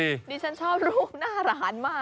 ดิฉันชอบรูปหน้าร้านมาก